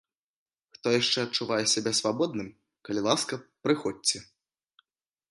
Хто яшчэ адчувае сябе свабодным, калі ласка, прыходзьце.